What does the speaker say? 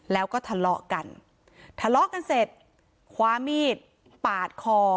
แล้วก็ทะเลาะกันทะเลาะกันเสร็จคว้ามีดปาดคอ